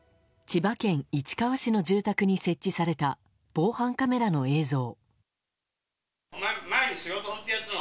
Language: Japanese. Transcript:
千葉県市川市の住宅に設置された防犯カメラの映像。